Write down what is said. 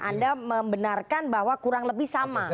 anda membenarkan bahwa kurang lebih sama